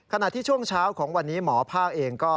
ขณะที่ช่วงเช้าของวันนี้หมอภาคเองก็